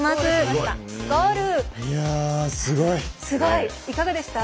すごい！